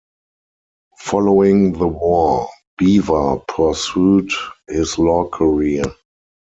Following the war, Beaver pursued his law career.